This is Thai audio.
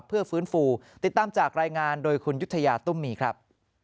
เพื่อฟื้นฟูติดตามจากรายงานโดยคุณยุธยาตุ้มมีครับ